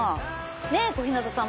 ねぇ小日向さん